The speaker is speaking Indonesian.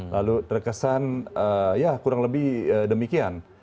lalu terkesan ya kurang lebih demikian